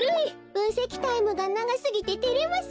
ぶんせきタイムがながすぎててれますねえ。